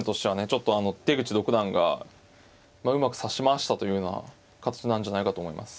ちょっと出口六段がうまく指し回したというような形なんじゃないかと思います。